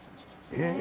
へえ。